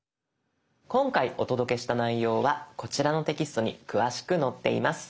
今回お届けした内容はこちらのテキストに詳しく載っています。